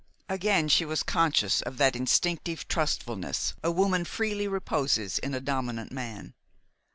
Again she was conscious of that instinctive trustfulness a woman freely reposes in a dominant man.